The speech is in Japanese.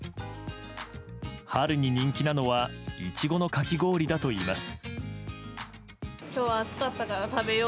春に人気なのはイチゴのかき氷だといいます。